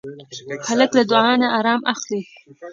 هلک له دعا نه ارام اخلي.